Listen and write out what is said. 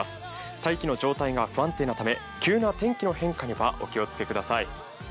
大気の状態が不安定のため急な天気の変化にはお気をつけください。